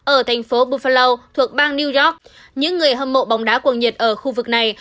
ở thành phố bufalau thuộc bang new york những người hâm mộ bóng đá cuồng nhiệt ở khu vực này